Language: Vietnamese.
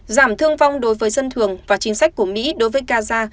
giảm thương vong đối với dân thường và chính sách của mỹ đối với gaza